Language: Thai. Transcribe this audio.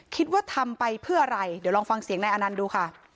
คิดว่าทำไปเพื่ออะไรเดี๋ยวลองฟังเสียงนายอนันต์ดูค่ะ